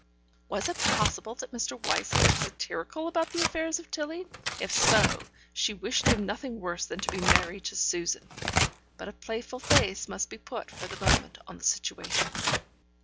Was it possible that Mr. Wyse had been satirical about the affairs of Tilling? If so, she wished him nothing worse than to be married to Susan. But a playful face must be put, for the moment, on the situation.